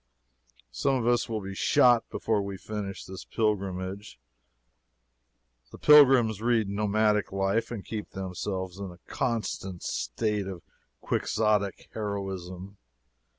Some of us will be shot before we finish this pilgrimage. The pilgrims read "Nomadic Life" and keep themselves in a constant state of Quixotic heroism.